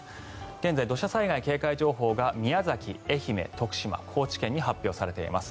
現在土砂災害警戒情報が宮崎、愛媛、徳島、高知県に発表されています。